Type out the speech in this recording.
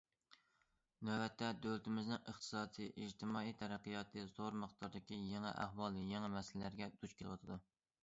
نۆۋەتتە دۆلىتىمىزنىڭ ئىقتىسادىي، ئىجتىمائىي تەرەققىياتى زور مىقدارىدىكى يېڭى ئەھۋال، يېڭى مەسىلىلەرگە دۇچ كېلىۋاتىدۇ.